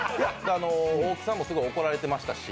大木さんもすごい怒られてましたし。